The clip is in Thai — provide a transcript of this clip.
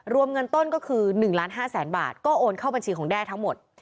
เงินต้นก็คือ๑๕๐๐๐๐บาทก็โอนเข้าบัญชีของแด้ทั้งหมด